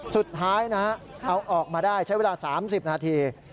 สุดท้ายนะฮะเอาออกมาได้ใช้เวลา๓๐นาที